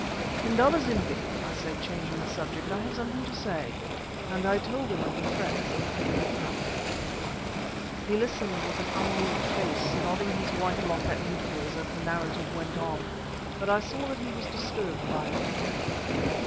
"Indaba zimbi," I said, changing the subject, "I have something to say," and I told him of the threats of Hendrika. He listened with an unmoved face, nodding his white lock at intervals as the narrative went on. But I saw that he was disturbed by it.